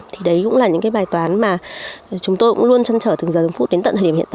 thì đấy cũng là những bài toán mà chúng tôi luôn trân trở từng giờ từng phút đến tận thời điểm của chúng tôi